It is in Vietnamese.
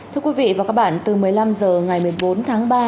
thưa quý vị và các bạn từ một mươi năm h ngày một mươi bốn tháng ba